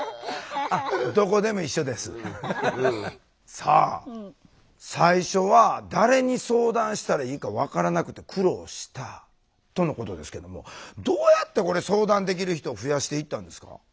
さあ最初は誰に相談したらいいか分からなくて苦労したとのことですけどもどうやってこれ相談できる人を増やしていったんですか？